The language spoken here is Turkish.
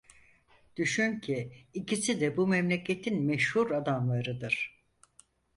Düşün ki ikisi de bu memleketin meşhur adamlarıdır.